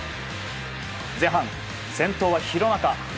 前半、先頭は廣中。